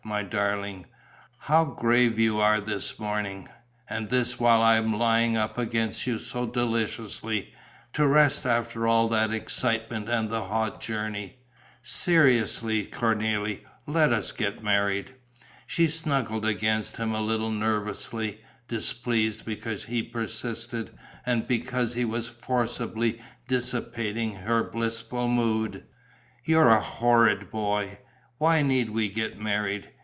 My darling, how grave you are this morning! And this while I'm lying up against you so deliciously, to rest after all that excitement and the hot journey." "Seriously, Cornélie, let us get married." She snuggled against him a little nervously, displeased because he persisted and because he was forcibly dissipating her blissful mood: "You're a horrid boy. Why need we get married?